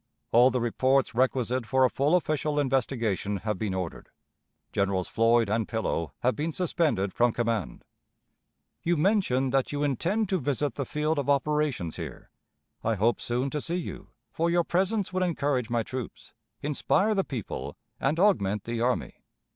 "All the reports requisite for a full official investigation have been ordered. Generals Floyd and Pillow have been suspended from command. "You mention that you intend to visit the field of operations here. I hope soon to see you, for your presence would encourage my troops, inspire the people, and augment the army.